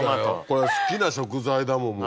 これ好きな食材だもん